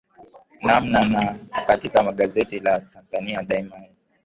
namna naa katika gazeti la tanzania daima ee